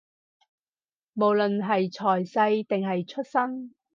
無論係財勢，定係出身